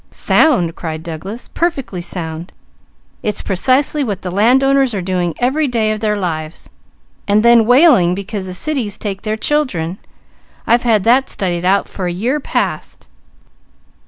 "Sound!" cried Douglas. "Perfectly sound! It's precisely what the land owners are doing every day of their lives, and then wailing because the cities take their children. I've had that studied out for a year past."